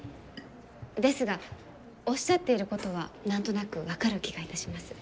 ですがおっしゃっていることは何となく分かる気がいたします。